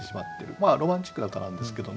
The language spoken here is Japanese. ロマンチックな歌なんですけどね。